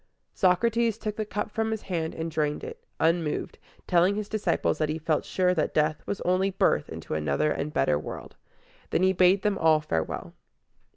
Socrates took the cup from his hand and drained it, unmoved, telling his disciples that he felt sure that death was only birth into another and better world. Then he bade them all farewell.